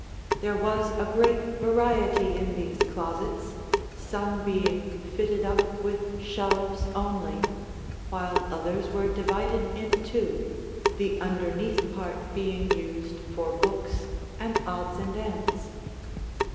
There was a great variety in these closets, some being fitted up with shelves only, while others were divided in two, the underneath part being used for books and odds and ends.